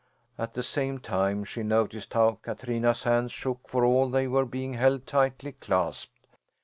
At the same time she noticed how Katrina's hands shook for all they were being held tightly clasped.